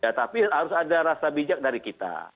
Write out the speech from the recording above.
tapi harus ada rasa bijak dari kita